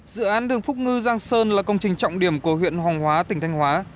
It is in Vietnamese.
dự án đường phúc ngư giang sơn là công trình trọng điểm của huyện hồng hóa tỉnh thành hóa